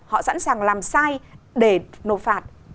họ sẵn sàng làm sai để nộp phạt